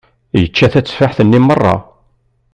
Yečča tateffaḥt-nni merra.